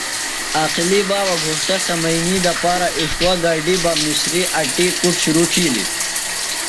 عاقلی بابہ گھوݜٹہ سمنئینی دپارہ اِݜٹوا گڈِیۡ بہ مسریۡ اٹیۡ کُڈ شرو تِھیلیۡ۔